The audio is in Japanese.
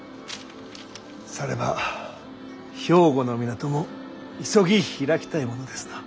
されば兵庫の港も急ぎ開きたいものですな。